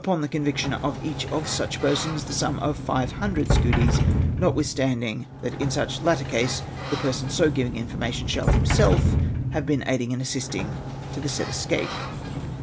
209 upou the couviction of each of such persons the sum of Five Hundred Scudis, notwithstanding that in such latter case the person so giving information shall himself have been aiding and assisting to the said escape.